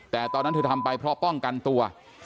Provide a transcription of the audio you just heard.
แต่ตอนนั้นเธอทำไปเพราะป้องกันตัว